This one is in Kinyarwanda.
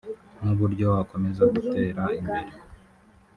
n’uburyo wakomeza gutera imbere